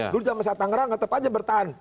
dulu zaman saya tangerang tetap aja bertahan